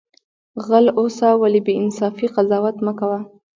غل اوسه ولی بی انصافی قضاوت مکوه